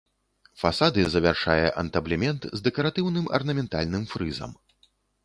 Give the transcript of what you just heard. Фасады завяршае антаблемент з дэкаратыўным арнаментальным фрызам.